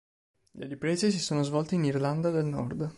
Le riprese si sono svolte in Irlanda del Nord.